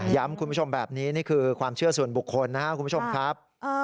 ย้ำคุณผู้ชมแบบนี้นี่คือความเชื่อส่วนบุคคลนะครับ